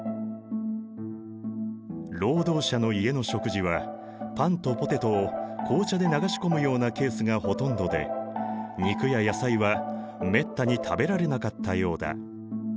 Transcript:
労働者の家の食事はパンとポテトを紅茶で流し込むようなケースがほとんどで肉や野菜はめったに食べられなかったようだ。